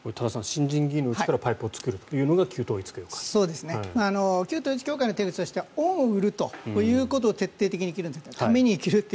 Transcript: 新人議員のうちからパイプを作るというのが旧統一教会の手口としては恩を売るということを徹底的にするんです。